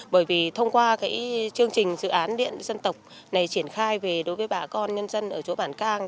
bởi vì thông qua chương trình dự án điện dân tộc này triển khai về đối với bà con nhân dân ở chỗ bản cang